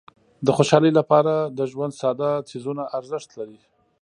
د خوشحالۍ لپاره د ژوند ساده څیزونه ارزښت لري.